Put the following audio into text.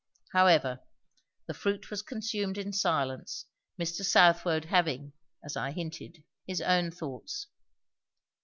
However, the fruit was consumed in silence; Mr. 'Southwode having, as I hinted, his own thoughts.